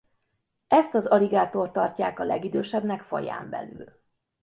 Ezt az aligátort tartják a legidősebbnek faján belül.